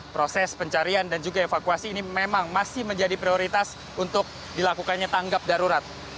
proses pencarian dan juga evakuasi ini memang masih menjadi prioritas untuk dilakukannya tanggap darurat